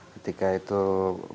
ketika itu berubah